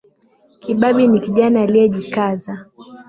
Kibabi ni kijana aliyejikaza